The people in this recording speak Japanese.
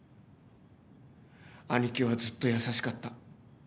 兄貴はずっと優しかった。